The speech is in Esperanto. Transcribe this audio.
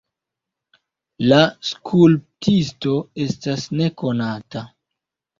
La skulptisto estas nekonata.